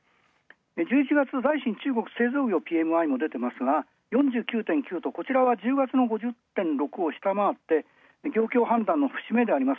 １１月の財新製造業ＰＭＩも出ているが４９．９とこちらは１０月よりも下回って、状況判断の節目であります